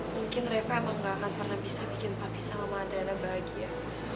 mungkin reva emang gak akan pernah bisa bikin papi sama adrena bahagia